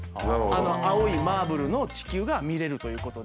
あの青いマーブルの地球が見れるということで。